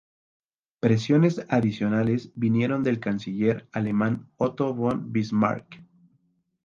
Presiones adicionales vinieron del canciller alemán Otto von Bismarck.